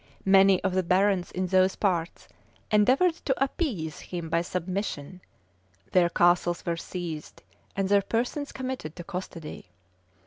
Many of the barons in those parts endeavored to appease him by submission:[] their castles were seized, and their persons committed to custody.